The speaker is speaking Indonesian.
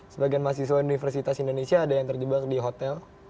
sebagian mahasiswa universitas indonesia ada yang terjebak di hotel